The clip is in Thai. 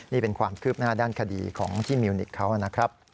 นี่เป็นความคืบหน้าด้านคดีของที่มิวนิกเขานะครับ